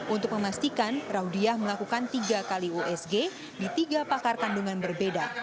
untuk memastikan raudiah melakukan tiga kali usg di tiga pakar kandungan berbeda